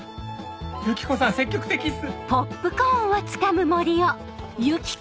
ユキコさん積極的っす